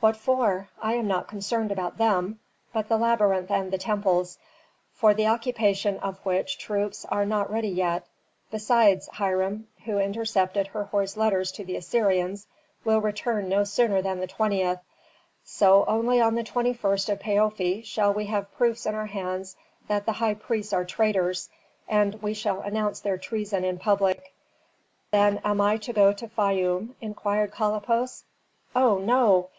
"What for? I am not concerned about them, but the labyrinth and the temples, for the occupation of which troops are not ready yet. Besides, Hiram, who intercepted Herhor's letters to the Assyrians will return no sooner than the 20th. So only on the 21st of Paofi shall we have proofs in our hands that the high priests are traitors, and we shall announce their treason in public." "Then am I to go to Fayum?" inquired Kalippos. "Oh, no!